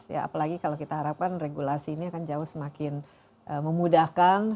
ya apalagi kalau kita harapkan regulasi ini akan jauh semakin memudahkan